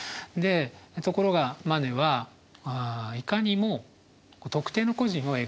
ところがマネはいかにも特定の個人を描いた。